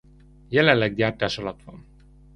Jelenleg gyártás alatt van.